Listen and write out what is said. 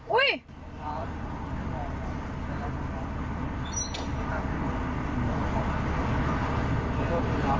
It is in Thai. อุ๊ย